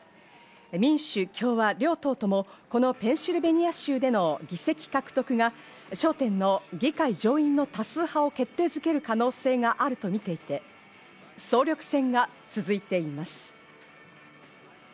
民主・共和両党ともこのペンシルベニア州での議席獲得が焦点の議会上院の多数派を決定づける可能性があるとみていて、総力戦が続いています。